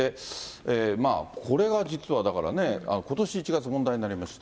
これが実はだからね、ことし１月、問題になりました。